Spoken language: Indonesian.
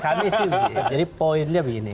kami sih jadi poinnya begini